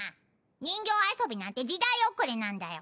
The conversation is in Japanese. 人形遊びなんて時代遅れなんだよ